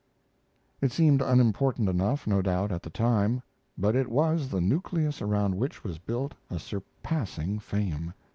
It seemed unimportant enough, no doubt, at the time; but it was the nucleus around which was built a surpassing fame.